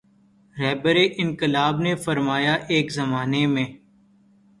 رہبرانقلاب نے فرمایا ایک زمانے میں